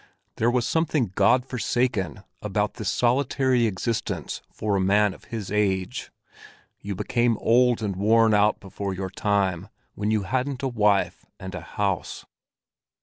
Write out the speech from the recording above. There was something God forsaken about this solitary existence for a man of his age; you became old and worn out before your time, when you hadn't a wife and a house.